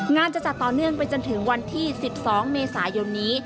จะจัดต่อเนื่องไปจนถึงวันที่๑๒เมษายนนี้